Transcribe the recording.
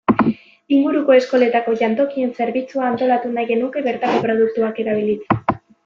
Inguruko eskoletako jantokien zerbitzua antolatu nahi genuke bertako produktuak erabiliz.